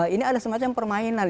ini ada semacam permainan